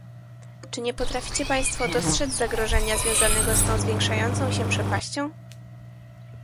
Czy nie potraficie państwo dostrzec zagrożenia związanego z tą zwiększającą się przepaścią?